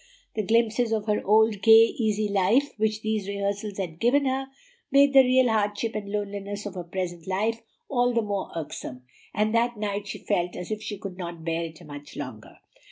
The glimpses of her old gay, easy life, which these rehearsals had given her, made the real hardship and loneliness of her present life all the more irksome, and that night she felt as if she could not bear it much longer.